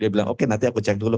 dia bilang oke nanti aku cek dulu